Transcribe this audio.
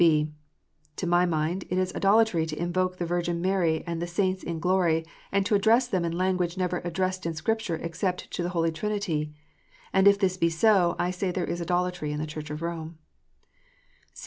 (b) To my mind, it is idolatry to invoke the Virgin Mary and the saints in glory, and to address them in language never addressed in Scripture except to the Holy Trinity. And if this be so, I say there is idolatry in the Church of Rome.